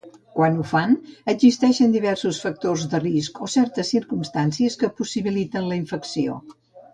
Quan ho fan, existeixen diversos factors de risc o certes circumstàncies que possibiliten la infecció.